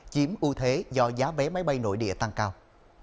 chiếm ưu thế do giá vé máy bay nội địa tăng cao